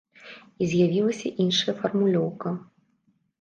І з'явілася іншая фармулёўка.